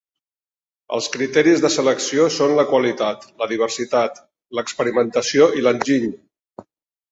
Els criteris de selecció són la qualitat, la diversitat, l'experimentació i l'enginy.